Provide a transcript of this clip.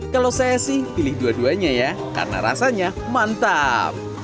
kalau saya sih pilih dua duanya ya karena rasanya mantap